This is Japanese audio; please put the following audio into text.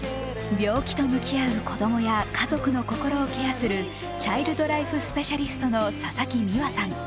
病気と向き合う子供や家族の心をケアするチャイルドライフスペシャリストの佐々木美和さん。